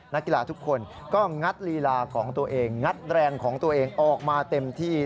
นักกีฬาทุกคนก็งัดลีลาของตัวเองงัดแรงของตัวเองออกมาเต็มที่